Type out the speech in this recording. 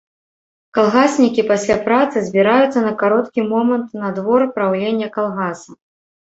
Калгаснікі пасля працы збіраюцца на кароткі момант на двор праўлення калгаса.